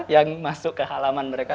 yang masuk ke halaman mereka